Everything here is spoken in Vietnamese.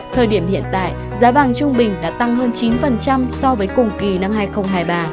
thời điểm hiện tại giá vàng trung bình đã tăng hơn chín so với cùng kỳ năm hai nghìn hai mươi ba